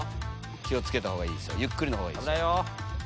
気を付けたほうがいいですよゆっくりのほうがいいですよ。